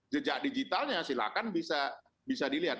jejak digitalnya silahkan bisa dilihat